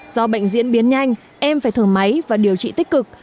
do bệnh diễn biến nhanh em phải thở máy và điều trị tích cực